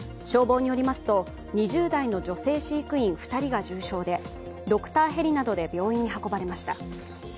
消防によりますと２０代の女性飼育員２人が重傷でドクターヘリなどで病院に運ばれました。